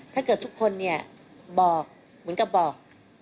ถ้าเกิดทุกคนเนี่ยบอกเหมือนกับบอก